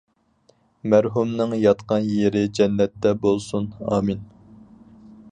مەرھۇمنىڭ ياتقان يېرى جەننەتتە بولسۇن، ئامىن.